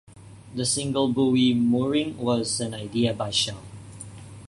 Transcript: The single buoy mooring was an idea by Shell.